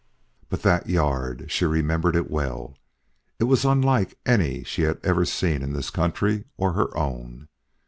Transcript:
But that yard! She remembered it well. It was unlike any other she had ever seen in this country or her own.